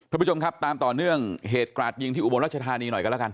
ท่านผู้ชมครับตามต่อเนื่องเหตุกราดยิงที่อุบลรัชธานีหน่อยกันแล้วกัน